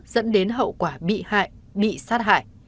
dẫn đến hậu quả bị hại bị sát hại